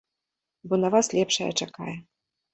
Бо на вас лепшая чакае.